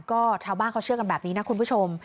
ก็ชาวบ้านเขาเชื่อกันแบบนี้นะคุณผู้ชม